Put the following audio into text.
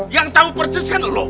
yang tau persis kan lu